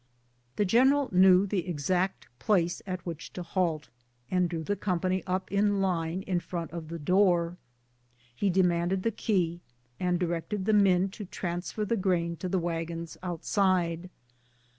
The general knew the exact place at which to halt, and drew the company up in line in front of the door. lie de manded the key, and directed the men to transfer the grain to the wagons outside.